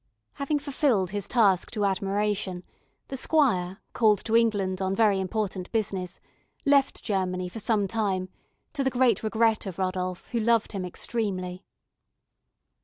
Having fulfilled his task to admiration, the squire, called to England on very important business, left Germany for some time, to the great regret of Rodolph, who loved him extremely.